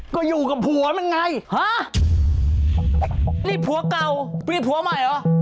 ก็อยู่กับผัวมันไงฮะนี่ผัวเก่ามีผัวใหม่เหรอ